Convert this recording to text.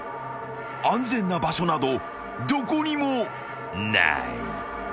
［安全な場所などどこにもない］